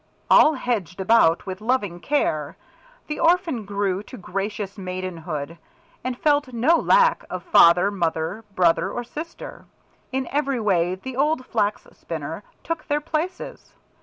All hedged about with loving care, the orphan grew to gracious maidenhood, and felt no lack of father, mother, brother or sister. In every way the old Flax spinner took their places.